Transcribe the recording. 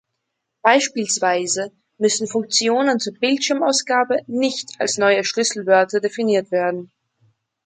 Beispielsweise müssen Funktionen zur Bildschirmausgabe nicht als neue Schlüsselwörter definiert werden.